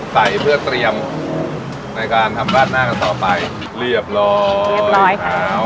ใส่เพื่อเตรียมในการทำราดหน้ากันต่อไปเรียบร้อยเรียบร้อยค่ะ